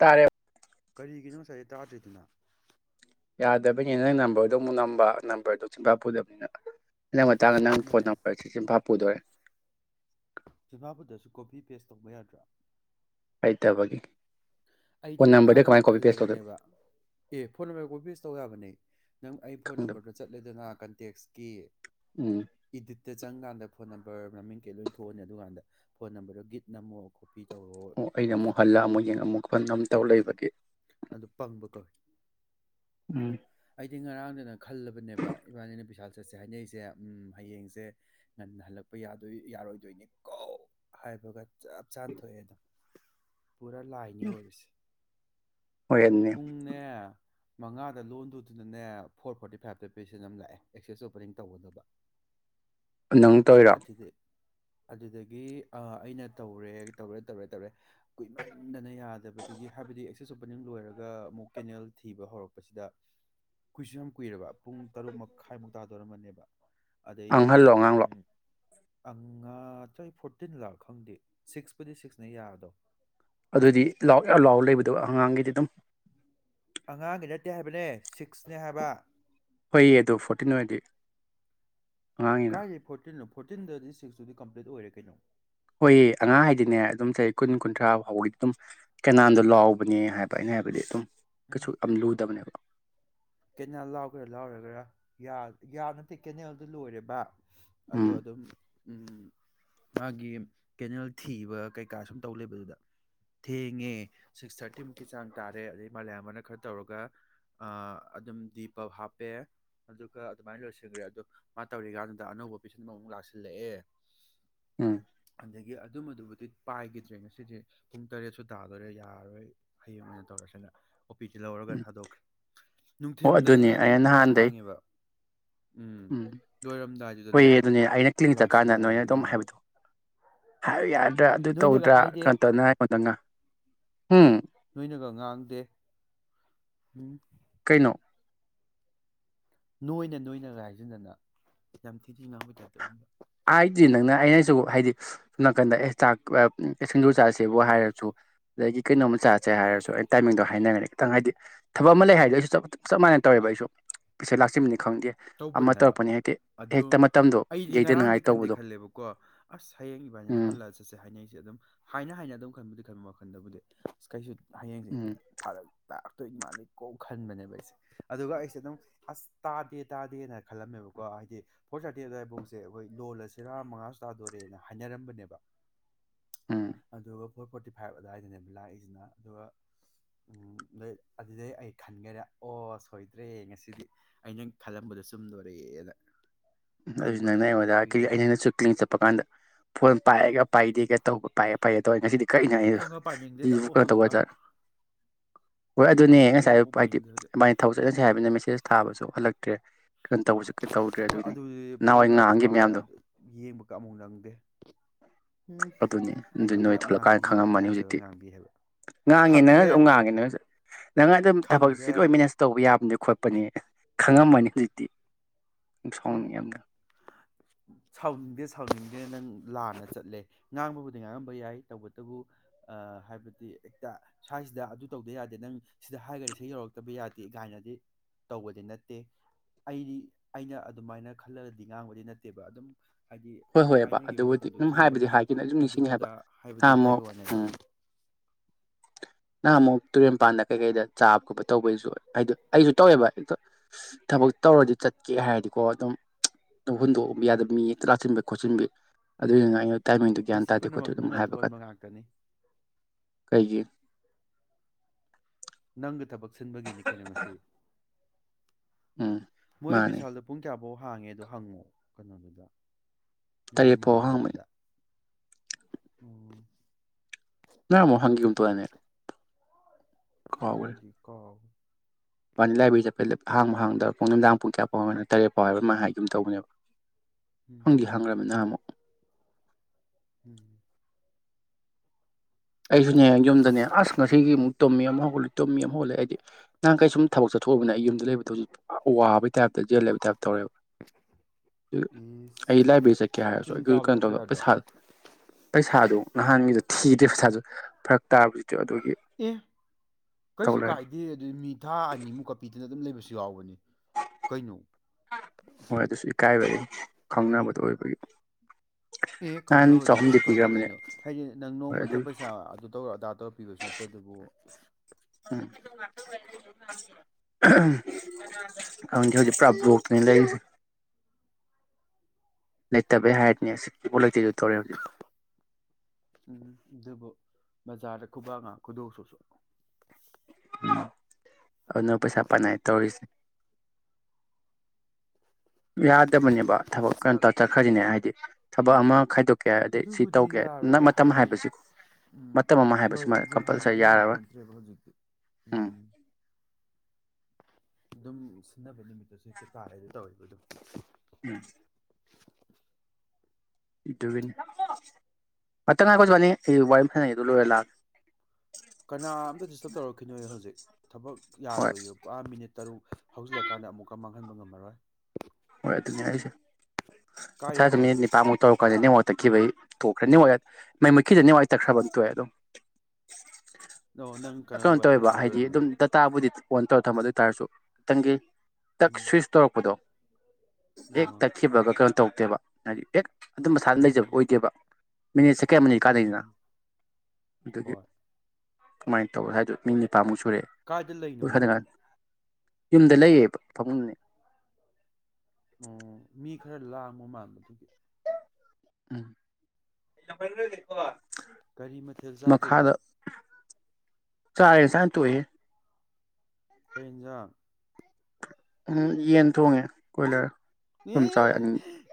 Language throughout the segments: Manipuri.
ꯇꯥꯔꯦ ꯀꯔꯤꯒꯤꯅꯣ ꯉꯁꯥꯏ ꯇꯥꯗ꯭ꯔꯤꯗꯨꯅ ꯌꯥꯗꯕꯅꯤ ꯅꯪ ꯅꯝꯕꯔꯗꯣ ꯑꯃꯨꯛ ꯅꯝꯕ ꯅꯝꯕꯔꯗꯣ ꯆꯤꯟꯐꯥꯛ ꯄꯨꯗꯕꯅꯤꯅ ꯑꯗꯨꯪ ꯃꯇꯥꯡꯗ ꯅꯪ ꯐꯣꯟ ꯅꯪꯉꯣꯟꯗꯅꯦ ꯅꯝꯕꯔꯁꯤꯦ ꯁꯤꯐꯥꯞ ꯄꯨꯗꯣꯔꯦ ꯆꯤꯐꯥꯄꯨꯔꯗꯁꯨ ꯀꯣꯐꯤ ꯄꯦꯁ ꯇꯧꯕ ꯌꯥꯗ꯭ꯔꯥ ꯍꯥꯏ ꯇꯕꯒꯤꯦ ꯑꯩꯗꯤ ꯉꯔꯥꯡꯗꯅ ꯈꯜꯂꯕꯅꯦꯕ ꯑꯦ ꯐꯣꯟ ꯅꯝꯕꯔ ꯀꯣ ꯄꯌꯨꯁ ꯇꯧ ꯌꯥꯕꯅꯦ ꯅꯪ ꯑꯩ ꯐꯣꯟ ꯈꯪꯗꯕ ꯅꯝꯕꯔꯗꯣ ꯆꯠꯂꯦꯗꯅ ꯀꯟꯇꯦꯛꯁꯀꯤ ꯎꯝ ꯏꯗꯤꯠꯇ ꯆꯪꯀꯥꯟꯗ ꯐꯣꯟ ꯅꯝꯕꯔ ꯃꯃꯤꯡ ꯀꯩ ꯂꯣꯏꯅ ꯊꯣꯛꯑꯅꯤ ꯑꯗꯨꯀꯥꯟꯗ ꯐꯣꯟ ꯅꯝꯕꯔꯗꯣ ꯒꯤꯠ ꯅꯝꯃꯣ ꯀꯣꯄꯤ ꯇꯧꯔꯣ ꯑꯣ ꯑꯗꯨꯒ ꯑꯩꯅ ꯄꯦꯁꯇꯣ ꯑꯃꯨꯛ ꯍꯂꯑ ꯑꯃꯨꯛ ꯌꯦꯡꯉ ꯑꯃꯨꯛ ꯂꯩꯕꯒ‌ꯦ ꯑꯗꯨ ꯄꯪꯕ ꯀꯧꯏ ꯎꯝ ꯑꯩꯗꯤ ꯉꯔꯥꯡꯗꯅ ꯈꯜꯂꯕꯅꯦꯕ ꯏꯕꯥꯅꯤꯅ ꯄꯩꯁꯥ ꯆꯠꯁꯦ ꯍꯥꯏꯅꯩꯁꯦ ꯎ ꯍꯌꯦꯡꯁꯦ ꯉꯟꯅ ꯍꯜꯂꯛꯄꯗꯣꯏ ꯌꯥꯔꯣꯏꯗꯣꯏꯅꯤ ꯀꯣ ꯍꯥꯏꯕꯒ ꯆꯞ ꯆꯥꯅ ꯊꯣꯛꯑꯦ ꯑꯗꯣ ꯄꯨꯔꯥ ꯂꯥꯏꯅꯤ ꯑꯣꯏꯔꯤꯁꯦ ꯍꯣꯏ ꯑꯗꯨꯅꯦ ꯄꯨꯡꯅꯦ ꯃꯉꯥꯗ ꯂꯣꯟꯗꯨꯗꯨꯅꯅꯦ ꯐꯣꯔ ꯐꯣꯔꯇꯤ ꯐꯥꯏꯚꯇ ꯄꯦꯁ ꯑꯗꯨ ꯑꯃ ꯂꯥꯛꯑꯦ ꯑꯦꯛꯁꯦꯁ ꯑꯣꯄꯅꯤꯡ ꯇꯧꯒꯗꯕ ꯅꯪ ꯇꯧꯔꯥ ꯑꯗꯨꯗꯤ ꯑꯗꯨꯗꯒꯤ ꯑꯩꯅ ꯇꯧꯔꯦ ꯇꯧꯔꯦ ꯇꯧꯔꯦ ꯇꯧꯔꯦ ꯀꯨꯏꯃꯟꯗꯅ ꯌꯥꯗꯕꯗꯒꯤ ꯍꯥꯏꯕꯗꯤ ꯑꯦꯛꯁ ꯏꯁꯁ ꯑꯣꯄꯅꯤꯡ ꯂꯣꯏꯔꯒ ꯑꯃꯨꯛ ꯀꯦꯅꯦꯜ ꯊꯤꯕ ꯍꯧꯔꯛꯄꯁꯤꯗ ꯀꯨꯏꯁꯨ ꯌꯥꯝ ꯀꯨꯏꯔꯕ ꯄꯨꯡ ꯇꯔꯨꯛ ꯃꯈꯥꯏꯃꯨꯛꯇ ꯇꯥ ꯇꯧꯔꯝꯃꯅꯦꯕ ꯑꯗꯒꯤꯩ ꯑꯪꯍꯜꯂꯣ ꯑꯉꯥꯡꯂꯣ ꯎꯝ ꯑꯪꯉꯥ ꯆꯍꯤ ꯐꯣꯔꯇꯤꯟ ꯂꯥꯛ ꯈꯪꯗꯦ ꯁꯤꯛꯁꯄꯨꯗꯤ ꯁꯤꯛꯁꯅꯦ ꯌꯥꯗꯣ ꯇ ꯑꯉꯥꯡꯒꯤꯗꯤ ꯑꯗꯨꯝ ꯑꯉꯥꯡꯒꯤ ꯅꯠꯇꯦ ꯍꯥꯏꯕꯅꯦ ꯁꯤꯛꯁꯅꯦ ꯍꯥꯏꯕ ꯍꯣꯏꯌꯦ ꯑꯗꯣ ꯐꯣꯔꯇꯤꯟ ꯑꯣꯢꯗꯤ ꯀꯥꯏꯗꯩ ꯐꯣꯔꯇꯤꯟꯅꯣ ꯐꯣꯔꯇꯤꯟꯗꯗꯤ ꯁꯤꯛꯁꯇꯨꯗꯤ ꯀꯝꯄ꯭ꯂꯤꯠ ꯑꯣꯏꯔꯦ ꯀꯩꯅꯣ ꯍꯣꯏꯌꯦ ꯑꯉꯥꯡ ꯍꯥꯏꯗꯤꯅꯦ ꯑꯗꯨꯝ ꯆꯍꯤ ꯀꯨꯟ ꯀꯨꯟꯊ꯭ꯔꯥ ꯐꯥꯎꯒꯤ ꯑꯗꯨꯝ ꯀꯅꯥꯝꯗꯣ ꯂꯥꯎꯕꯅꯦ ꯍꯥꯏꯕ ꯑꯩꯅ ꯍꯥꯏꯕꯗꯤ ꯑꯗꯨꯝ ꯎꯝ ꯀꯩꯁꯨ ꯌꯥꯝ ꯂꯨꯗꯕꯅꯦꯕ ꯀꯦꯅꯦꯜ ꯂꯥꯎꯒꯦꯔꯥ ꯂꯥꯎꯔꯒꯦꯔꯥ ꯌꯥ ꯅꯠꯇꯦ ꯀꯦꯅꯦꯜꯗꯨ ꯂꯣꯏꯔꯦꯕ ꯑꯗꯨ ꯎꯝ ꯑꯗꯨꯝ ꯃꯥꯒꯤ ꯀꯦꯅꯦꯜ ꯊꯤꯕ ꯀꯩꯀꯥ ꯁꯨꯝ ꯇꯧ ꯂꯩꯕꯗꯨꯗ ꯊꯦꯡꯉꯦ ꯁꯤꯛꯁ ꯊꯥꯔꯇꯤꯃꯨꯛꯀꯤ ꯆꯥꯡ ꯇꯥꯔꯦ ꯑꯗꯩ ꯃꯥꯂꯦꯝ ꯑꯃꯅ ꯈꯔ ꯇꯧꯔꯒ ꯑꯗꯨꯝ ꯗꯤ ꯄꯞ ꯍꯥꯞꯄꯦ ꯑꯗꯨꯒ ꯑꯗꯨꯃꯥꯏꯅ ꯂꯣꯏꯁꯤꯟꯈ꯭ꯔꯦ ꯑꯗꯣ ꯃꯥ ꯇꯧꯔꯤꯀꯥꯟꯗꯨꯗ ꯑꯅꯧꯕ ꯄꯦꯁꯟ ꯑꯃꯃꯨꯛ ꯂꯥꯛꯁꯤꯜꯂꯛꯑꯦ ꯎꯝ ꯑꯗꯒꯤ ꯑꯗꯨꯝꯕꯗꯨꯕꯨꯗꯤ ꯄꯥꯏꯈꯤꯗ꯭ꯔꯦ ꯉꯁꯤꯗꯤ ꯄꯨꯡ ꯇꯔꯦꯠꯁꯨ ꯇꯥꯗꯣꯏꯔꯦ ꯌꯥꯔꯔꯣꯏ ꯍꯌꯦꯡ ꯑꯣꯏꯅ ꯇꯧꯔꯁꯤꯅ ꯑꯣꯄꯤ ꯇ ꯂꯧꯔꯒ ꯊꯥꯗꯣꯛꯈꯤ ꯑꯣ ꯊꯤꯟꯗꯅ ꯑꯗꯨꯅꯦ ꯑꯩꯅ ꯑꯗꯨꯝ ꯏꯍꯥꯡ ꯅꯍꯥꯟꯗꯩ ꯍꯥꯡꯉꯦꯕ ꯎꯝ ꯍꯣꯏꯌꯦ ꯑꯗꯨꯅꯦ ꯑꯩꯅ ꯀ꯭ꯂꯤꯅꯤ ꯇꯀꯥꯟꯗ ꯅꯣꯏꯅ ꯑꯗꯨꯝ ꯂꯥꯛꯁꯤꯜꯂꯛꯑꯕꯅꯤꯅꯅꯦ ꯍꯥꯏꯕꯗꯣ [unintelligible] ꯑꯗꯨ ꯅꯣꯏꯅꯒ ꯇꯧꯗ ꯍꯥꯏꯗꯦ ꯀꯩꯅ ꯇꯧꯅ ꯑꯩꯉꯣꯟꯗꯅꯥ ꯎꯝ ꯅꯣꯏꯅꯒ ꯉꯥꯡꯗꯦ ꯎꯝ ꯀꯩꯅꯣ ꯅꯣꯏꯅ ꯅꯣꯏꯅꯒ ꯍꯥꯏ ꯖꯤꯟꯗꯅ ꯌꯥꯝ ꯊꯤ ꯊꯤ ꯉꯥꯡꯕꯩ ꯇꯥꯏꯞꯇ ꯑꯗꯨꯒ ꯍꯥꯏꯗꯤ ꯅꯪꯅ ꯑꯩꯅꯁꯨ ꯍꯥꯏꯗꯤ ꯁꯣꯝ ꯅꯥꯀꯟꯗ ꯑꯦ ꯆꯥꯛ ꯁꯤꯡꯖꯨ ꯆꯥꯁꯦꯕꯨ ꯍꯥꯏꯔꯁꯨ ꯑꯗꯒꯤ ꯀꯩꯅꯣꯝꯃ ꯆꯥꯁꯦ ꯍꯥꯏꯔꯁꯨ ꯑꯩꯅ ꯇꯥꯏꯃꯤꯡꯗꯣ ꯍꯥꯏꯅꯔꯅꯤ ꯈꯤꯇꯪ ꯍꯥꯏꯗꯤ ꯊꯕꯛ ꯑꯃ ꯂꯩ ꯍꯥꯏꯔꯗꯤ ꯑꯩꯁꯨꯞ ꯆꯞ ꯃꯥꯟꯅ ꯇꯧꯋꯦꯕ ꯑꯩꯁꯨ ꯄꯩꯁ ꯂꯥꯛꯆꯅꯤꯡꯟꯅꯦ ꯈꯪꯗꯦ ꯑꯃ ꯇꯧꯕꯅꯦ ꯇꯧꯔꯛꯄꯅꯦ ꯍꯦꯛꯇ ꯍꯦꯛꯇ ꯃꯇꯝꯗꯣ ꯉꯔꯥꯡꯗꯤ ꯌꯩꯗꯅꯉꯥꯏ ꯈꯟꯗꯤ ꯇꯧꯕꯗꯣ ꯈꯜꯂꯦꯕꯀꯣ ꯑꯁ ꯍꯌꯦꯡ ꯏꯕꯥꯏꯅꯤꯅ ꯎꯝ ꯍꯜꯂꯒ ꯆꯠꯁꯦ ꯍꯥꯏꯅꯡꯁꯦ ꯑꯗꯨꯝ ꯍꯥꯏꯅ ꯍꯥꯏꯅ ꯑꯗꯨꯝ ꯈꯟꯕꯗꯤ ꯈꯟꯕ ꯋꯥꯜ ꯀꯟꯗꯕꯨꯗꯤ ꯑꯁ ꯀꯩꯁꯨ ꯍꯌꯦꯡꯁꯦ ꯎꯝ ꯐꯔꯛ ꯇ ꯇꯣꯏꯃꯥꯂ ꯀꯣ ꯈꯟꯕꯅꯦꯕ ꯑꯩꯁꯦ ꯑꯗꯨꯒ ꯑꯩꯁꯦ ꯑꯗꯨꯒ ꯑꯁ ꯇꯥꯗꯦ ꯇꯥꯗꯦꯅ ꯈꯜꯂꯝꯃꯦꯕꯀꯣ ꯍꯥꯏꯗꯤ ꯐꯣꯔ ꯊꯥꯔꯇꯤ ꯑꯗꯨꯋꯥꯏꯐꯥꯎꯁꯦ ꯑꯩꯈꯣꯏ ꯂꯣꯜꯂ ꯁꯤꯔꯥ ꯃꯉꯥꯁꯨ ꯇꯥꯗꯣꯔꯦꯅ ꯍꯥꯏꯅꯔꯝꯕꯅꯦꯕ ꯎꯝ ꯑꯗꯨꯒ ꯐꯣꯔ ꯐꯣꯔꯇꯤ ꯐꯥꯏꯚ ꯑꯗꯨꯋꯥꯏꯗꯅꯦꯕ ꯂꯥꯛꯏꯖꯤꯅ ꯑꯗꯨꯒꯗ ꯑꯗꯨꯗꯩ ꯑꯩ ꯈꯟꯒꯔꯦ ꯑꯣ ꯁꯣꯏꯗ꯭ꯔꯦ ꯉꯁꯤꯗꯤ ꯑꯩꯅ ꯈꯜꯂꯝꯕꯗ ꯆꯨꯝꯗꯣꯔꯦꯅ ꯑꯗꯨ ꯈꯟꯕꯒ ꯅꯪꯅ ꯑꯗꯨꯝ ꯑꯩꯉꯣꯟꯗ ꯑꯩ ꯀꯨꯏꯈꯔꯦ ꯅꯪꯅꯁꯨ ꯀ꯭ꯂꯤꯅꯤ ꯆꯠꯄ ꯀꯥꯟꯗ ꯐꯣꯟ ꯄꯥꯏꯑꯒ ꯄꯥꯏꯗꯦꯒ ꯇꯧꯕ ꯄꯥꯏꯑ ꯄꯩꯌꯦ ꯇꯧꯔꯦ ꯉꯁꯤꯗꯤ ꯀꯛꯏꯅ ꯐꯣꯟꯒ ꯄꯥꯏꯅꯤꯡꯗꯦꯗ ꯑꯃꯨꯛ ꯀꯩꯅꯣ ꯍꯧꯖꯤꯛꯀ ꯇꯧꯕꯖꯔ ꯍꯣꯏ ꯑꯗꯨꯅꯦ ꯐꯣꯟꯒ ꯉꯁꯥꯏ ꯑꯃꯨꯛ ꯍꯥꯏꯗꯤ ꯄꯥꯏꯅꯤꯡꯗꯦ ꯍꯧꯖꯤꯛ ꯏꯕꯅꯤ ꯊꯕꯛ ꯆꯠꯃꯤꯟꯅꯁꯤ ꯍꯥꯏꯕꯅꯤꯅ ꯃꯦꯁꯦꯁ ꯊꯥꯕꯁꯨ ꯍꯜꯂꯛꯇ꯭ꯔꯦ ꯀꯩꯅꯣ ꯇꯧꯕꯁꯩ ꯇꯧꯗ꯭ꯔꯦ ꯐꯣꯟ ꯑꯗꯨꯅꯤ ꯑꯗꯨꯗꯤ ꯅꯍꯥꯟꯋꯥꯏ ꯐꯣꯟꯒꯗꯣ ꯉꯥꯡꯈꯤꯕ ꯀꯥꯎꯋꯥꯏ ꯃꯌꯥꯝꯗꯣ ꯌꯦꯡꯕꯒ ꯑꯃꯨꯛ ꯅꯪꯗꯦ ꯎꯝ ꯑꯗꯨꯅꯤ ꯑꯗꯨ ꯑꯩꯅꯕꯨ ꯅꯣꯏ ꯌꯥꯝ ꯊꯂꯛꯀꯥꯟꯗ ꯉꯥꯡꯕꯤꯈꯤꯕꯩ ꯈꯪꯉꯝꯃꯅꯤ ꯇꯥꯏꯞꯇꯒ ꯍꯧꯖꯤꯛꯇꯤ ꯉꯥꯡꯕꯤ ꯍꯥꯏꯕ ꯉꯥꯡꯉꯦ ꯈꯪꯗꯦ ꯅꯪꯁꯨ ꯑꯃꯛ ꯉꯥꯡꯉꯦ ꯅꯪꯁꯨ ꯅꯉꯥꯏ ꯑꯗꯨ ꯊꯕꯛꯁꯤ ꯈꯪꯗꯦ ꯂꯣꯏ ꯃꯦꯅꯦꯖ ꯇꯧꯕ ꯌꯥꯕꯅꯤ ꯈꯣꯠꯄꯅꯤ ꯈꯪꯉꯝꯃꯅꯤ ꯍꯧꯖꯤꯛꯇꯤ ꯎꯝ ꯁꯥꯎꯅꯤ [inaudible] ꯁꯥꯎꯅꯤꯡꯗꯦ ꯁꯥꯎꯅꯤꯡꯗꯦ ꯅꯪ ꯂꯥꯟꯅ ꯆꯠꯂꯦ ꯉꯥꯡꯕꯕꯨꯗꯤ ꯉꯥꯡꯉꯝꯕ ꯌꯥꯏ ꯇꯧꯕꯇꯕꯨ ꯍꯥꯏꯕꯗꯤ ꯍꯦꯛꯇ ꯁ꯭ꯋꯥꯏꯁꯤꯗ ꯑꯗꯨ ꯇꯧꯗ ꯌꯥꯗꯦ ꯅꯪ ꯁꯤꯗ ꯍꯥꯏꯈꯗꯤ ꯏꯁꯩ ꯌꯧꯔꯛꯇꯕ ꯌꯥꯗꯦ ꯀꯥꯏꯅꯗꯤ ꯇꯧꯕꯗꯤ ꯅꯠꯇꯦ ꯑꯩꯗꯤ ꯑꯩꯅ ꯑꯗꯨꯃꯥꯏꯅ ꯈꯜꯂꯒꯗꯤ ꯉꯥꯡꯕꯗꯤ ꯅꯠꯇꯦꯕ ꯑꯗꯨꯝ ꯍꯥꯏꯗꯤ ꯍꯣꯏ ꯍꯣꯏꯕ ꯍꯥꯏꯅꯈꯤꯕ ꯑꯗꯨꯕꯨꯗꯤ ꯃꯇꯝꯗ ꯑꯗꯨꯝ ꯍꯥꯏꯕꯗꯤ ꯊꯦꯡꯕꯒꯤ ꯍꯥꯏꯈꯤꯅ ꯑꯗꯨꯝ ꯑꯗꯨ ꯅꯤꯡꯁꯤꯡꯉꯦ ꯑꯗꯥ ꯍꯥꯏꯕ ꯍꯥꯏꯕꯗꯤ ꯅꯍꯥꯟ ꯑꯃꯨꯛ ꯍꯥꯏꯕ ꯋꯥꯅꯦꯕ ꯎꯝ ꯅꯍꯥꯟ ꯑꯃꯨꯛ ꯇꯨꯔꯦꯟꯄꯥꯟꯗ ꯀꯩꯀꯩꯗ ꯆꯥꯕ ꯈꯣꯠꯄ ꯇꯧꯕꯩꯁꯨ ꯍꯥꯏꯗ ꯑꯩꯁꯨ ꯇꯧꯋꯦꯕ ꯍꯦꯛꯇ ꯊꯕꯛ ꯇꯧꯔꯗꯤ ꯆꯠꯀꯦ ꯍꯥꯏꯔꯗꯤꯀꯣ ꯑꯗꯨꯝ ꯍꯨꯟꯗꯣꯛꯍꯟꯕ ꯌꯥꯗꯕ ꯃꯤ ꯍꯦꯛꯇ ꯂꯥꯁꯤꯟꯕ ꯈꯣꯠꯆꯤꯟꯕꯤ ꯑꯗꯨꯒꯤꯅ ꯉꯥꯏ ꯇꯥꯏꯃꯤꯡꯗꯣ ꯒ꯭ꯌꯥꯟ ꯃꯁꯤ ꯇꯥꯗꯦ ꯈꯣꯠꯇꯦ ꯄꯨꯝꯅꯃꯛ ꯑꯗꯨꯝ ꯅꯪꯅ ꯍꯥꯏꯕ ꯊꯣꯛꯍꯟꯕ ꯀꯥꯟꯗ ꯉꯥꯛꯇꯅꯤ ꯀꯩꯒꯤ ꯅꯪ ꯊꯕꯛ ꯁꯤꯟꯕꯒꯤꯅꯤ ꯀꯩꯅꯣ ꯃꯁꯤ ꯎꯝ ꯃꯣꯏ ꯃꯥꯅꯦ ꯕꯤꯁꯥꯜꯗ ꯄꯨꯡ ꯀꯌꯥ ꯐꯧ ꯍꯥꯡꯉꯦ ꯑꯗꯣ ꯍꯪꯉꯣ ꯀꯩꯅꯣꯗꯨꯗ ꯇꯔꯦꯠ ꯐꯥꯎ ꯍꯥꯡꯕꯅꯤ ꯅꯣꯏꯅꯃꯥꯟꯅꯕꯗꯨꯗ ꯑꯣꯝ ꯅ ꯃ ꯍꯥꯟꯒꯒꯨꯝ ꯇ ꯑꯅꯦ ꯍꯪꯖꯤ ꯀꯥꯎ ꯃꯥꯕꯥꯅꯤ ꯂꯥꯏꯕ꯭ꯔꯦꯔꯤ ꯆꯠꯄꯍꯕ ꯍꯍꯥꯡꯗ ꯄꯣꯡ ꯅꯨꯅꯨꯡꯗꯥꯡ ꯄꯨꯡ ꯀꯌꯥ ꯄꯥꯎꯕꯅꯣ ꯇꯔꯦꯠ ꯄꯥꯎ ꯍꯥꯏꯕ ꯑꯃ ꯍꯥꯏ ꯑꯗꯨꯝ ꯇꯧꯕꯅꯦꯕ ꯎꯝ ꯍꯪꯗꯤꯦ ꯍꯪꯈ꯭ꯔꯃꯤ ꯅꯍ ꯑꯃꯨꯛ ꯎꯝ ꯑꯩꯁꯨꯅꯦ ꯌꯨꯝꯗꯅꯦ ꯑꯁ ꯉꯁꯤꯒꯤ ꯑꯃꯨꯛ ꯇꯨꯝꯃꯤ ꯑꯃꯨ ꯍꯧꯒꯠꯂ ꯇꯣꯝ ꯑꯃꯨ ꯍꯣꯜꯂꯦ ꯍꯥꯏꯗꯤ ꯅꯥꯟ ꯀꯩ ꯁꯨꯝ ꯊꯕꯛ ꯆꯠꯊꯣꯛꯕꯅ ꯑꯩ ꯌꯨꯝꯗ ꯂꯩꯕ ꯑꯗꯨꯖꯤꯛ ꯋꯥꯕꯩ ꯇꯥꯏꯞꯇ ꯌꯦꯦꯜꯂꯕ ꯇꯥꯏꯞꯇ ꯇꯧꯔꯦꯕ ꯏꯁ ꯑꯩ ꯂꯥꯏꯕ꯭ꯔꯦꯔꯤ ꯆꯠꯀꯦ ꯍꯥꯏꯔꯁꯨ ꯆꯤꯡ ꯑꯩ ꯀꯥꯕ ꯀꯩꯅꯣ ꯇꯧ ꯆꯠꯄ ꯌꯥꯗ꯭ꯔꯣ ꯄꯩꯁꯥ ꯄꯩꯁꯥꯗꯣ ꯅꯍꯥꯟꯒꯤ ꯆ ꯗꯦꯞ ꯊꯥꯖꯁꯨ ꯐꯔꯛ ꯇꯥꯔꯔꯕꯗꯤ ꯑꯦ ꯇꯧ ꯀꯔꯤꯁꯨ ꯂꯩꯔꯦ ꯀꯥꯏꯗꯦ ꯑꯗꯨ ꯃꯤ ꯊꯥ ꯑꯅꯤꯃꯨꯛ ꯀꯥꯄꯤꯗꯅ ꯑꯗꯨꯝ ꯂꯩꯕꯁꯦ ꯌꯥꯎꯕꯅꯤ ꯀꯩꯅꯣ ꯍꯣꯏ ꯑꯗꯨ ꯁꯤ ꯀꯥꯏ ꯋꯥꯔꯤ ꯈꯪꯅꯕꯗꯨꯣ ꯑꯣꯏꯕꯒꯤ ꯑꯦ ꯅꯍꯥꯟ ꯈꯪꯅꯕꯗꯨ ꯆꯍꯨꯝꯗꯤ ꯀꯩꯁꯨ ꯀꯥꯏꯗꯦ ꯄꯤꯈ꯭ꯔꯕꯅꯦ ꯀꯩꯅꯣ ꯍꯥꯏꯗꯤ ꯅꯪ ꯍꯣꯏ ꯅꯣꯡꯃꯇ ꯑꯗꯨ ꯄꯩꯁꯥ ꯑꯗꯨ ꯇꯧꯔꯛ ꯑꯗꯥ ꯇꯞꯄꯤꯕꯁꯨ ꯅꯠꯇ ꯑꯗꯨꯕꯨ ꯎ ꯑꯗꯤ ꯍꯧ ꯄꯨꯣꯛꯇ ꯂꯩꯔꯤꯁ ꯂꯩꯇꯕꯩ ꯍꯥꯏꯔꯅꯦ ꯂꯩꯇꯦ ꯎꯝ ꯗꯕꯣ ꯕꯖꯥꯔꯗ ꯈꯨꯕꯥꯛ ꯉ ꯈꯨꯗꯣꯡꯁꯨꯁꯨ ꯑꯗꯨꯅ ꯄꯩꯁꯥ ꯄꯅꯥꯏ ꯇꯧꯔꯤꯁꯦ ꯌꯥꯗꯕꯅꯦꯕ ꯊꯕꯛ ꯆꯥꯛ ꯀꯩꯅꯝꯇ ꯆꯠꯈ꯭ꯔꯁꯤꯅꯦ ꯍꯥꯏꯗꯤ ꯊꯕꯛ ꯑꯃ ꯈꯥꯏꯗꯣꯛ ꯑꯗꯨꯕꯨꯗꯤ ꯌꯥꯔꯣꯏꯗ ꯍꯥꯏꯗꯤ ꯎꯝ ꯃꯇꯝ ꯑꯃ ꯍꯥꯏꯕꯁꯤ ꯍꯣꯏ ꯑꯦꯛꯖꯦꯛ ꯀꯝꯄꯜꯁꯔꯤ ꯍꯥꯏꯕꯗꯨꯗꯤ ꯌꯥꯔꯔꯣꯏ ꯉꯝꯄꯣꯟꯠꯇ꯭ꯔꯦꯕ ꯍꯧꯖꯤꯛꯇꯤ ꯎꯝ ꯑꯗꯨꯝ ꯁꯤꯟꯅꯕ ꯅꯨꯃꯤꯠꯇꯨꯁꯨ ꯍꯦꯛꯇ ꯇꯥꯔꯦꯗ ꯇꯧꯋꯕ ꯑꯗꯨꯝ ꯎꯝ ꯒꯤꯅꯤ ꯃꯇꯪ ꯉꯥꯛꯀꯁꯨ ꯋꯥꯅꯤ ꯑꯩ ꯋꯥ ꯁꯥꯟꯅ ꯑꯗꯨ ꯂꯣꯏꯔ ꯂꯥꯛꯑꯒꯦ ꯀꯅꯥꯝꯇ ꯗꯤꯁꯇꯔꯕ ꯇꯧꯔꯛꯈꯤꯅꯣ ꯍꯧꯖꯤꯛ ꯊꯕꯛ ꯍꯣꯏ ꯌꯥꯔꯣꯏꯨ ꯄꯨꯥ ꯃꯤꯅꯤꯠ ꯇꯔꯨꯛ ꯍꯧꯖꯤꯜꯂꯛꯀꯥꯟꯗ ꯑꯃꯨꯛꯀ ꯑꯃ ꯈꯟꯕ ꯉꯝꯃꯔꯣꯏ ꯍ ꯑꯗꯨ ꯅꯏꯁ ꯑꯆꯥ ꯀꯥꯏꯗ ꯂꯩꯔꯤꯅꯣ ꯑꯗꯨꯃꯤꯅꯤꯄꯥꯛꯇ ꯀꯅꯦꯋꯥ ꯇꯛꯈꯤꯕꯒꯤ ꯇꯣꯛꯈ꯭ꯔꯅꯤꯉ ꯃꯩ ꯃꯨꯀꯤꯗꯅꯦ ꯋꯥꯏ ꯇꯛꯈ꯭ꯔꯕꯅ ꯇꯣꯛꯑꯦ ꯑꯗꯨꯝ ꯑꯣ ꯅꯪ ꯀꯩꯅꯣ ꯋꯥꯏ ꯐꯥꯏ ꯇꯧꯋꯦꯕ ꯁꯝꯕ ꯍꯥꯏꯗꯤ ꯑꯗꯨꯝ ꯑꯣꯏꯔꯝꯅꯤꯌꯦ ꯗꯇꯥꯕꯨꯗꯤ ꯐꯣꯟ ꯇꯧꯔꯒ ꯊꯝ ꯑꯗꯨ ꯑꯣꯏꯇꯥꯥꯔꯁꯨ ꯈꯤꯇꯪꯒꯤ ꯇꯛ ꯎꯝ ꯁ꯭ꯋꯤꯁ ꯇꯧꯔꯛꯄꯗꯣ ꯑꯦ ꯑꯣ ꯇꯛꯀꯤꯕꯕ ꯀꯩꯅꯣ ꯇꯧ ꯕ ꯍꯥꯏ ꯑꯦ ꯑꯗꯨꯝ ꯃꯁꯥꯅ ꯂꯩꯖꯕ ꯎꯝ ꯑꯣꯏꯗꯦꯕ ꯃꯤꯅꯤꯠꯁꯦ ꯀꯌꯥꯃ ꯀꯥꯟꯅꯩꯗꯅ ꯎꯝ ꯑꯗꯨꯒꯤ ꯍꯣꯏ ꯀꯃꯥꯏꯅ ꯇꯧꯔ ꯍꯥꯏꯗꯣ ꯃꯤꯅꯤ ꯄꯄꯥꯃꯨꯁꯨ ꯀꯥꯏꯗ ꯂꯩꯅꯣ ꯅ ꯌꯨꯝꯗ ꯂꯩꯌꯦꯕ ꯐꯃꯨꯡꯅꯦ ꯑꯣ ꯃꯤ ꯈꯔ ꯂꯥꯡꯕ ꯃꯥꯟꯕ ꯑꯗꯨꯒꯤ ꯅꯤꯡꯀ ꯀꯔꯤ ꯃꯊꯦꯜ ꯆꯥꯗꯣꯏꯕ ꯆꯥꯏꯦ ꯆꯥꯟ ꯇꯨꯌꯦ ꯀꯦꯟꯖꯥ ꯎꯝ ꯌꯦꯟ ꯊꯣꯡꯉꯦ ꯀꯣꯏꯂ ꯎꯝ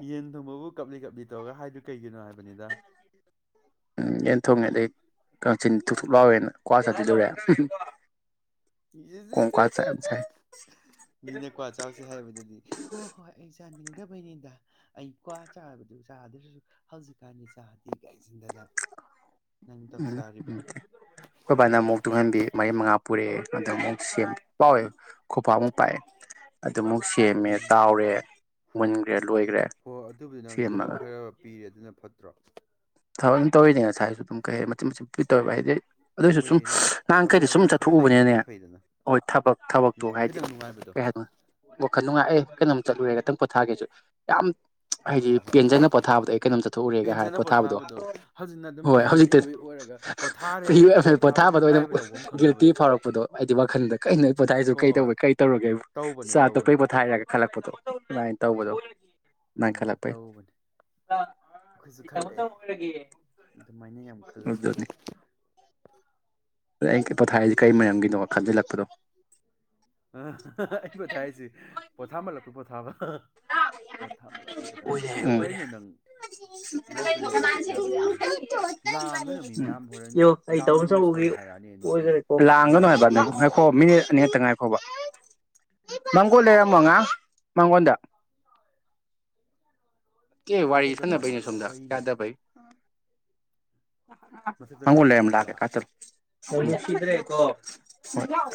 ꯌꯦꯟ ꯅꯪꯕꯕꯨ ꯀꯞꯂꯤ ꯀꯞꯂꯤ ꯇꯧꯔꯒ ꯍꯥꯏꯗꯨ ꯀꯩꯒꯤꯅꯣ ꯍꯥꯏꯕꯅꯤꯗ ꯎꯝ ꯑꯦꯩꯅ ꯊꯣꯡꯉꯦ ꯑꯗꯗꯒꯤ ꯀꯩꯅꯆꯤꯟ ꯊꯨ ꯊꯣꯛ ꯂꯥꯎꯋꯦꯅ ꯀ꯭ꯋꯥ ꯆꯥꯈꯤꯗꯧꯔꯦ ꯃꯤꯅ ꯀ꯭ꯋꯥ ꯆꯥꯎꯁꯦ ꯍꯥꯏꯕꯗꯨꯗꯤ ꯍꯣꯏ ꯍꯣꯏ ꯑꯩꯅꯤꯡ ꯑꯩ ꯀ꯭ꯋꯥ ꯆꯥꯕꯗꯨ ꯆꯥꯗ꯭ꯔꯁꯨ ꯍꯧꯖꯤꯛꯀꯥꯟꯗꯤ ꯆꯥꯗꯦ ꯀꯥꯏ ꯍꯥꯏꯁꯤꯟꯗꯅ ꯎꯝ ꯎꯝ ꯈꯣꯏ ꯕꯥꯅꯥ ꯑꯃꯨꯛ ꯇꯨꯡꯍꯟꯕꯤ ꯃꯔꯤ ꯃꯉꯥ ꯄꯨꯔꯛꯑꯦ ꯑꯗ ꯑꯃꯨꯛ ꯁꯦꯝ ꯄꯥꯛꯏ ꯈꯨꯄꯥꯛ ꯑꯃꯨꯛ ꯄꯥꯛꯑꯦ ꯑꯗꯨꯃꯨꯛ ꯁꯦꯝꯃꯦ ꯎꯝ ꯇꯥꯎꯔꯦ ꯃꯨꯟꯈ꯭ꯔꯦ ꯂꯣꯏꯈ꯭ꯔꯦ ꯍꯣꯏ ꯁꯦꯝꯃꯒ ꯐꯠꯇ꯭ꯔ ꯊꯕꯛ ꯑꯗꯨꯝ ꯇꯧꯔꯤꯅꯦ ꯉꯁꯥꯏꯁꯨ ꯑꯗꯨꯝ ꯀꯩ ꯍꯥꯏ ꯃꯆꯤꯠ ꯃꯆꯤꯠ ꯄꯨ ꯇꯧꯔꯤꯕꯕ ꯍꯥꯏꯗꯤ ꯑꯗꯨꯑꯣꯏꯁꯨ ꯁꯨꯝ ꯍꯣꯏ ꯅꯍꯥꯡ ꯊꯕꯛ ꯀꯩꯗ ꯁꯨꯝ ꯑꯗꯨꯝ ꯈꯔ ꯆꯠꯊꯣꯛꯎꯕꯅꯤꯅꯦ ꯂꯩꯕꯗꯨꯅ ꯐꯩꯗꯅ ꯍꯣꯏ ꯊꯕꯛ ꯊꯕꯛꯇꯣ ꯎꯝ ꯍꯥꯏꯗꯤ ꯈꯤꯇꯪ ꯅꯨꯡꯉꯥꯏꯕꯗꯣ ꯀꯩ ꯍꯥꯏꯅꯣ ꯋꯥꯈꯜ ꯅꯨꯡꯉꯥꯏꯑꯦ ꯀꯩꯅꯣꯝ ꯆꯠꯂꯨꯔꯦ ꯈꯤꯇꯪ ꯄꯣꯊꯥꯒꯦꯁꯨ ꯌꯥꯝ ꯍꯥꯏꯗꯤ ꯍꯣꯏ ꯍꯣꯏ ꯄꯦꯟꯖꯅ ꯄꯣꯊꯥꯕꯗꯣ ꯑꯩ ꯀꯩꯅꯣꯝ ꯆꯠꯊꯣꯛꯎꯔꯦꯒ ꯍꯥꯏꯔ ꯄꯦꯟꯖꯅ ꯄꯣꯊꯥꯕꯗꯣ ꯍꯧꯖꯤꯛꯅ ꯑꯗꯨꯝ ꯍꯣꯏ ꯐ꯭ꯔꯤꯅ ꯏꯑꯣꯏ ꯑꯣꯏꯔꯒ ꯍꯧꯖꯤꯛꯇꯗꯤ ꯄꯣꯊꯥꯔꯦ ꯐꯔꯤ ꯄꯣꯊꯥꯐꯝ ꯄꯣꯊꯥꯕꯗꯣ ꯑꯣꯏꯅ ꯅꯨꯡꯉꯥꯏꯕ ꯂꯧꯕꯝ ꯑꯣꯏꯅ ꯒꯤꯜꯇꯤ ꯈꯪꯗꯕꯗꯣ ꯐꯥꯎꯔꯛꯄꯗꯣ ꯍꯥꯏꯗꯤ ꯋꯥꯈꯟꯗ ꯀꯩꯅꯣ ꯄꯣꯊꯥꯏꯔꯁꯨ ꯍꯣꯏ ꯀꯩ ꯍꯣꯏ ꯍꯣꯏ ꯇꯧꯕꯒꯦ ꯀꯩ ꯇꯧꯔꯒꯦ ꯇꯧꯕꯅꯦ ꯆꯥꯛ ꯇꯧꯕꯅꯦ ꯑꯇꯣꯛꯄꯩ ꯄꯣꯊꯥꯏꯔꯒ ꯈꯜꯂꯛꯄꯗꯣ ꯑꯗꯨꯃꯥꯏꯅ ꯇꯧꯕꯗꯣ ꯎꯝ ꯑꯗꯨꯃꯥꯏꯅ ꯈꯜꯂꯛꯄꯩ ꯇꯧꯕꯅꯦ ꯑꯩꯈꯣꯏꯁꯨ ꯈꯜꯂꯛꯑꯦ ꯑꯗꯨꯃꯥꯏꯅ ꯌꯥꯝ ꯈꯜꯂꯝꯃꯤ ꯑꯗꯨꯅꯤ ꯑꯩ ꯄꯣꯊꯥꯏꯔꯤꯁꯦ ꯀꯔꯤ ꯃꯔꯝꯒꯤꯅꯣ ꯈꯟꯖꯤꯜꯂꯛꯄꯗꯣ ꯑ ꯑꯩ ꯄꯣꯊꯥꯏ ꯍꯥꯏꯁꯤ ꯄꯣꯊꯥ ꯃꯜꯂꯛꯄ ꯄ ꯊꯥꯕ ꯄꯣꯊꯥꯞꯂꯞꯄ ꯄꯣꯊꯥ ꯍꯥꯞꯄ ꯎꯝ ꯀꯩꯅꯣ ꯅꯪ ꯂꯥꯏꯕꯔꯤꯗ ꯑꯗꯨꯝ ꯆꯠ ꯌꯥꯕꯅꯦ ꯂꯥꯡꯒꯅ ꯃꯤ ꯃꯌꯥꯝ ꯍꯣꯔꯦꯟ ꯌꯥꯝ ꯅꯣꯏꯁ ꯇꯧꯋꯦ ꯍꯥꯏꯔꯛꯑꯅꯤ ꯅꯣꯗꯤ ꯃꯣꯏ ꯂꯥꯡꯒꯅꯨ ꯃꯍꯥꯛ ꯂꯩꯔꯨꯒꯅꯣ ꯑꯝꯇ ꯀꯥꯈꯠꯂꯛꯑꯣ [inaudible] ꯃꯪꯒꯣꯜꯦꯔꯃꯣꯉ ꯃꯪꯒꯣꯜꯗ ꯀꯦ ꯋꯥꯔꯤ ꯃꯊꯛꯇ ꯁꯥꯟꯅꯕꯩꯩꯅ ꯀꯥꯈꯠꯂꯛꯑꯣ ꯁꯣꯝꯗ ꯀꯩꯅꯣ ꯌꯥꯗꯕꯩ ꯃꯊꯛꯇ ꯍꯪꯉꯦ ꯀꯥꯈꯠꯂꯣ ꯌꯥꯝꯀꯦ ꯍꯥꯏꯕ ꯀꯆꯔꯦꯣ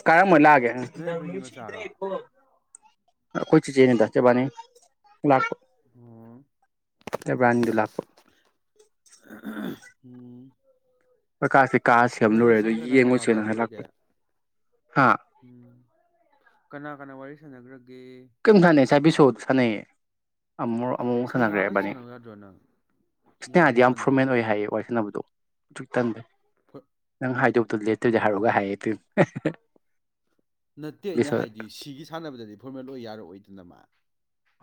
ꯀꯔꯝꯂꯑꯒꯦ ꯅꯣꯏ ꯑꯕꯦꯝꯒꯤ ꯁꯤ ꯃꯆꯥꯔꯣ ꯑꯣ ꯏꯗ꯭ꯔꯦꯣ ꯑꯩꯈꯣꯏ ꯆꯤ ꯆꯦꯅꯦꯗꯥꯛ ꯆꯦꯕꯥꯅꯤ ꯄ ꯑꯦꯕ꯭ꯔꯥꯟꯗꯨꯜ ꯂꯄꯨ ꯎꯝ ꯀꯀꯥꯥꯁꯦ ꯀꯥ ꯅꯪ ꯁꯦꯝꯂꯨꯔꯦ ꯉꯁꯤ ꯑꯗꯨꯗ ꯀꯅꯥ ꯀꯅꯥ ꯌꯦꯡꯉꯨꯁꯅ ꯍꯥꯏꯂꯛꯄ ꯇꯧꯒ꯭ꯔꯒꯦ ꯍꯥ ꯅ꯭ꯔꯒ ꯀꯩꯝ ꯁꯅ ꯆꯕꯤꯁꯣ ꯁꯅꯌꯦ ꯑꯃꯨꯛ ꯑꯃꯨꯛ ꯁ꯭ꯅꯦꯍꯥꯒꯁꯨ ꯁꯥꯟꯅꯈ꯭ꯔꯦꯕꯥꯅꯤ ꯁꯥꯟꯅꯧ ꯌꯥꯗ꯭ꯔꯣ ꯅꯪ ꯏꯁꯅꯦ ꯁ꯭ꯅꯦꯍꯥꯒ ꯍꯥꯏꯗꯤ ꯌꯥꯝ ꯐꯣꯔꯃꯦꯟ ꯁꯥꯟꯅꯧꯋꯣ ꯑꯣꯏ ꯍꯥꯏꯌꯦ ꯋꯥꯔꯤ ꯁꯥꯟꯅꯕꯗꯣ ꯆ ꯇꯗ ꯐ ꯍꯥꯏꯗꯣꯛꯇ ꯂꯦꯠꯇꯣꯏꯗꯤ ꯍꯥꯏꯔꯒ ꯍꯥꯏꯌꯦ ꯑꯗꯨꯣꯏ ꯅꯠꯇꯦ ꯑꯩꯅ ꯍꯥꯏꯗꯤ ꯁꯤꯒꯤ ꯁꯥꯟꯅꯕꯗꯗꯤ ꯐꯣꯔꯃꯦꯜ ꯑꯣꯏ ꯌꯥꯔꯣ ꯑꯣꯏꯗꯅꯃ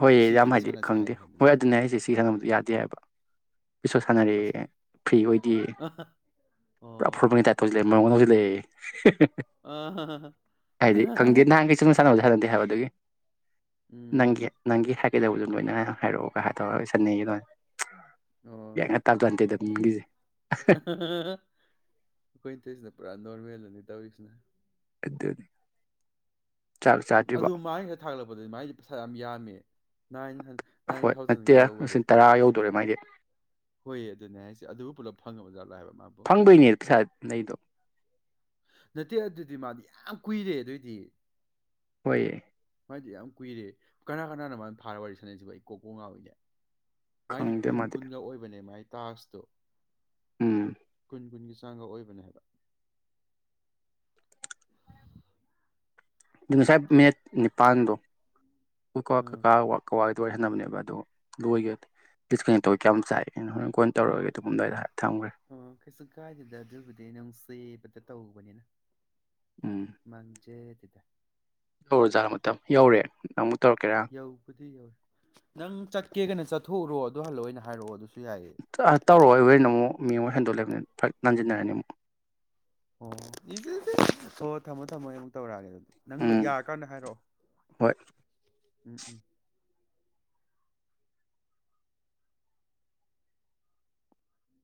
ꯍꯣꯏꯌꯦ ꯌꯥꯝ ꯍꯥꯏꯗꯤ ꯈꯪꯗꯦ ꯍꯣꯏ ꯑꯗꯨꯅꯦ ꯑꯩꯁꯦ ꯁꯤ ꯁꯪꯕꯗ ꯌꯥꯗꯦ ꯍꯥꯏꯕ ꯕꯤꯁꯣ ꯁꯥꯟꯅꯔꯦ ꯑꯆꯥ ꯐ꯭ꯔꯤ ꯑꯣꯏꯗꯦ ꯑ ꯄꯨꯔꯥ ꯑꯣ ꯐꯨꯠꯕꯣꯜꯒꯤ ꯇꯥꯏꯞ ꯇꯧꯁꯤꯜꯂꯦꯝꯗ ꯍꯧꯖꯤꯛ ꯂꯩ ꯑ ꯍꯥꯏꯗꯤ ꯈꯪꯗꯦ ꯅꯍꯥꯟ ꯀꯩꯁꯨ ꯁꯥꯟꯅꯕꯁꯦ ꯁꯥꯟꯅꯗꯦ ꯍꯥꯏꯕ ꯑꯗꯨꯒꯤ ꯎꯝ ꯍꯥꯏꯒꯦꯗꯧꯕꯁꯨ ꯂꯣꯏꯅ ꯍꯥꯏꯔꯛꯑꯣꯒ ꯍꯥꯏ ꯇꯔꯒ ꯆꯟꯅꯅꯩꯒꯤꯗꯣꯏꯅ ꯑꯣ ꯃꯤꯒꯤꯁꯦ ꯑꯩꯈꯣꯏꯠꯇꯁꯤꯅ ꯄꯨꯔꯥ ꯅꯣꯔꯋꯦꯜ ꯅꯤꯇꯥꯕꯤꯁꯅꯦ ꯑꯗꯨꯗꯅꯤ ꯑꯗꯨ ꯃꯥꯏ ꯍꯦꯦꯛ ꯊꯥꯠꯂꯛꯄ ꯑꯗꯤ ꯃꯥꯏꯗꯤ ꯄꯩꯁꯥ ꯌꯥꯝ ꯌꯥꯝꯃꯦ ꯅꯥꯏꯟ ꯅꯥꯏꯟ ꯍꯣꯏ ꯊꯥꯎꯖꯟꯒ ꯅꯠꯇꯦ ꯌꯧꯈꯔꯦ ꯂꯤꯁꯤꯡ ꯇꯔꯥ ꯌꯧꯗꯣꯔꯦ ꯃꯥꯏꯗꯤ [inaudible] ꯍꯣꯏ ꯑꯗꯨꯅꯦ ꯍꯥꯏꯁꯦ ꯑꯗꯨꯕꯨ ꯄꯨꯂꯞ ꯐꯪꯉꯕ ꯑꯣꯖꯥꯠ ꯂꯥꯛꯑꯕ ꯐꯪꯗꯣꯏꯅꯦ ꯄꯩꯁꯥ ꯅꯗꯣ ꯅꯠꯇꯦ ꯑꯗꯨꯗꯤ ꯃꯥꯗꯤ ꯌꯥꯝ ꯀꯨꯏꯔꯦ ꯑꯗꯨꯏꯗꯤ ꯍꯣꯏꯌꯦ ꯃꯗꯤ ꯌꯥꯝ ꯀꯨꯏꯔꯦ ꯀꯅꯥ ꯀꯅꯥꯅ ꯃꯥꯅ ꯐꯥꯔ ꯋꯥꯔꯤ ꯁꯅꯁꯤꯕꯨ ꯑꯩ ꯀꯣꯛꯄ ꯉꯥꯎꯋꯏꯅꯦ ꯃꯗꯤ ꯈꯪꯗꯦ ꯀꯨꯟ ꯃꯥꯗꯤ ꯀꯨꯟꯒ ꯑꯣꯏꯕꯅꯦ ꯃꯥꯥꯏꯗꯤ ꯇꯁꯇ ꯎꯝ ꯀꯨꯟꯀꯨꯟꯒꯤ ꯍꯛꯆꯥꯡꯒ ꯑꯣꯏꯕꯅꯦ ꯍꯥꯏꯕ ꯑꯗꯨ ꯉꯁꯥꯏ ꯃꯤꯠ ꯅꯤꯄꯥꯜꯗꯣ ꯑꯣ ꯋꯥ ꯑ ꯀ ꯀꯥ ꯋꯥꯋꯥ ꯂꯣꯏꯍꯟꯅꯕꯅꯦꯕ ꯑꯗꯨ ꯂꯣꯏꯒꯦ ꯗꯤꯁꯀꯅꯦꯛꯛꯇꯧꯒ ꯀꯌꯥꯝꯝ ꯆꯥꯏ ꯍꯣꯔꯦꯟ ꯀꯣꯏꯅ ꯇꯧꯔꯒꯦ ꯑꯗꯨꯝꯗꯥꯏꯗ ꯍꯥꯏꯔ ꯊꯝꯈ꯭ꯔꯦ ꯑꯣ ꯀꯩꯁꯨ ꯀꯥꯏꯗꯦꯗ ꯑꯗꯨꯕꯨꯗꯤ ꯅꯪꯁꯦ ꯇꯧꯕꯅꯤꯅ ꯃꯪꯖꯦ ꯌꯧꯔꯣꯖꯥꯠ ꯃꯇꯝ ꯌꯧꯔꯦ ꯅꯪ ꯑꯃꯨꯛ ꯇꯧꯔꯛꯀꯦꯔꯥ ꯌꯧꯕꯨꯗꯤ ꯌꯧꯔꯦ ꯅꯪ ꯆꯠꯀꯦ ꯀꯅ ꯆꯠꯊꯣꯛꯎꯔꯣ ꯑꯗꯨ ꯍꯜꯂꯣꯑꯣ ꯑꯣꯏꯅ ꯍꯥꯏꯔꯛꯑꯣ ꯑꯗꯨ ꯇꯧꯔꯛꯑꯣ ꯑꯩꯕꯣꯏꯅ ꯑꯃꯨꯛ ꯃꯤꯡ ꯍꯟꯗꯣꯛꯂꯦꯕꯅꯤ ꯐꯔ ꯟꯁꯤꯟꯅꯔꯅꯤ ꯑꯃꯨꯛ ꯑꯣ ꯏꯆꯦ ꯍ ꯊꯝꯃꯣ ꯊꯝꯃꯣ ꯑꯃꯨꯛ ꯇꯧꯔꯛꯑꯒꯦ ꯑꯗꯨ ꯅꯪ ꯎꯝ ꯌꯥꯔꯀꯥꯟꯗ ꯍꯥꯏꯔꯛꯑꯣ ꯍꯣꯏ ꯎꯝ ꯎꯝ